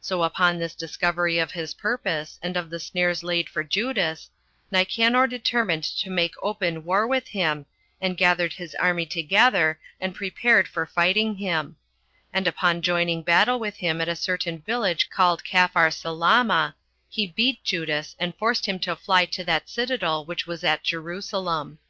So upon this discovery of his purpose, and of the snares laid for Judas, Nicanor determined to make open war with him, and gathered his army together, and prepared for fighting him; and upon joining battle with him at a certain village called Capharsalama, he beat Judas, 26 and forced him to fly to that citadel which was at Jerusalem.